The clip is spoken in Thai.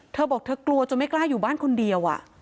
เธอบอกเธอกลัวจนไม่กล้าอยู่บ้านคนเดียว